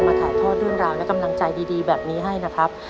ถ่ายทอดเรื่องราวและกำลังใจดีแบบนี้ให้นะครับ